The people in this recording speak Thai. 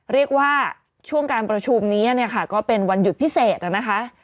เรียกว่าช่วงการประชุมนี้เนี่ยค่ะก็เป็นวันหยุดพิเศษนะคะ